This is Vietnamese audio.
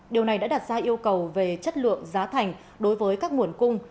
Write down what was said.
điều này đã đặt ra yêu cầu về chất lượng giá thành đối với các nguồn cung